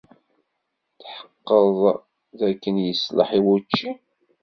Tetḥeqqed dakken yeṣleḥ i wučči?